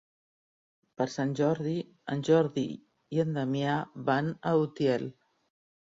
Per Sant Jordi en Jordi i en Damià van a Utiel.